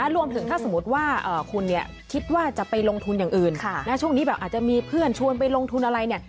รวมถึงถ้าสมมติว่าคุณเนี่ยคิดว่าจะไปลงทุนอย่างอื่นช่วงนี้แบบอาจจะมีเพื่อนชวนไปลงทุนอะไรเนี่ย